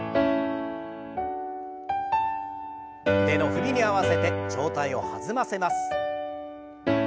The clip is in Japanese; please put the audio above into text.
腕の振りに合わせて上体を弾ませます。